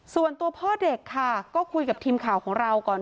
ส่วนตัวพ่อเด็กค่ะก็คุยกับทีมข่าวของเราก่อน